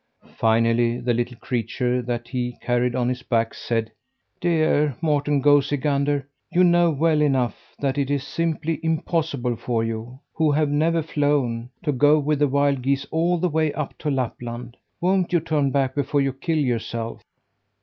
Finally, the little creature that he carried on his back said: "Dear Morten Goosey gander, you know well enough that it is simply impossible for you, who have never flown, to go with the wild geese all the way up to Lapland. Won't you turn back before you kill yourself?"